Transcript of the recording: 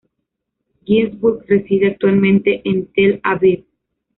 Ginzburg reside actualmente en Tel Aviv.